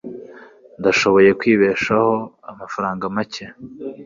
Ndashoboye kwibeshaho amafaranga make.